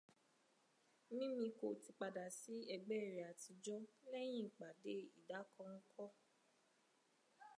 Mímikò ti padà sí ẹgbẹ́ rẹ̀ àtijọ́ lẹ́yìn ìpàdé ìdákọ́ńkọ́